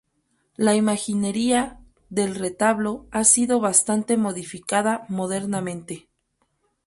La imaginería del retablo ha sido bastante modificada modernamente.